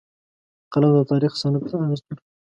قلم د تاریخ سند ته ارزښت ورکوي